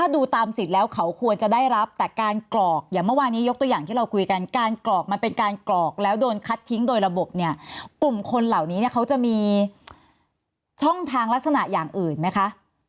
ดูตามสิทธิ์แล้วเขาควรจะได้รับแต่การกรอกอย่างเมื่อวานี้ยกตัวอย่างที่เราคุยกันการกรอกมันเป็นการกรอกแล้วโดนคัดทิ้งโดยระบบเนี่ยกลุ่มคนเหล่านี้เนี่ยเขาจะมีช่องทางลักษณะอย่างอื่นไหมคะ